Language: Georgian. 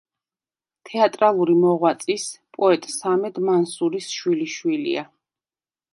თეატრალური მოღვაწის, პოეტ სამედ მანსურის შვილიშვილია.